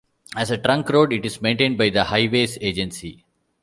As a trunk road it is maintained by the Highways Agency.